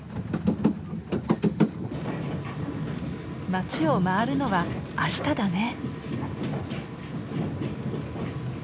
街を回るのはあしただね。